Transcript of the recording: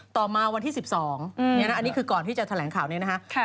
ต่อมาวันที่๑๒อันนี้คือก่อนที่จะแถลงข่าวนี้นะคะ